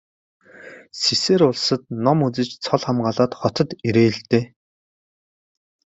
Сэсээр улсад ном үзэж цол хамгаалаад хотод ирээ л дээ.